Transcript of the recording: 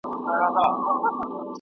ما پرون د سبا لپاره د هنرونو تمرين وکړ؟!